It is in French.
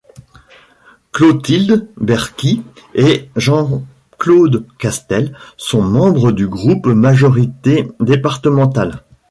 Clotilde Berki et Jean-Claude Castel sont membres du groupe Majorité départementale.